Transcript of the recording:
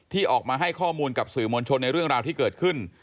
ที่ออกมาให้ข้อมูลกับสื่อมวลชนในเรื่องราวที่เกิดขึ้น